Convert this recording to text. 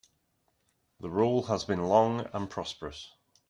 The rule has been long and prosperous.